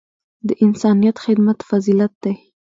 د انسانیت خدمت فضیلت دی.